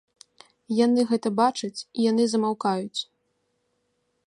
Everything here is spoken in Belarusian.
Яны гэта бачаць, і яны замаўкаюць.